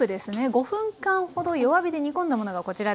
５分間ほど弱火で煮込んだものがこちらです。